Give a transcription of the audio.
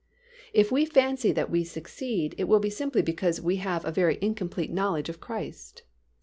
If we fancy that we succeed it will be simply because we have a very incomplete knowledge of Christ.